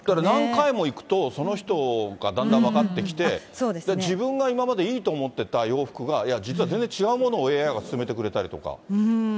何回も行くと、その人がだんだん分かってきて、自分が今までいいと思ってた洋服が、いや、実は全然違うものをＡＩが勧めてくれたりとか。